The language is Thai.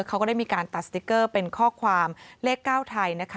เขาก็ได้มีการตัดสติ๊กเกอร์เป็นข้อความเลข๙ไทยนะคะ